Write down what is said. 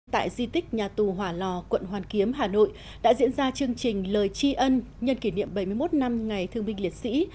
tại di tích nhà tù hỏa lò quận hoàn kiếm hà nội đã diễn ra chương trình lời tri ân nhân kỷ niệm bảy mươi một năm ngày thương binh liệt sĩ